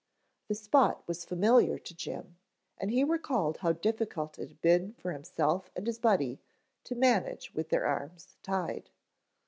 The spot was familiar to Jim and he recalled how difficult it had been for himself and his Buddy to manage with their arms tied.